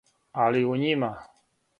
Али у њима.